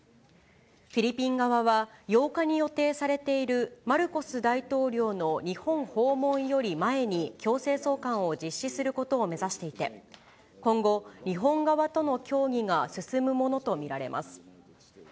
フィリピン側は、８日に予定されているマルコス大統領の日本訪問より前に、強制送還を実施することを目指していて、今後、日本側との協議が進むものと見られます。